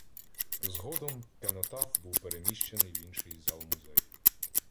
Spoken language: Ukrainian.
Згодом кенотаф був переміщений в інший зал музею.